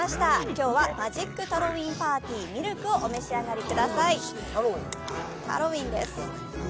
今日はマジックタロウィンパーティーミルクをお召し上がりください。